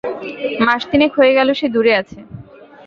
মাস তিনেক হয়ে গেল সে দূরে আছে।